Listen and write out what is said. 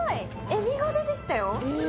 えびが出てきたよ。